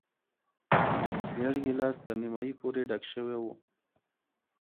زېړ ګیلاس تر نیمايي پورې ډک شوی و.